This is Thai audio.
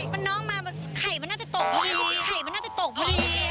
มันน้องมาไข่มันน่าจะตกพอดี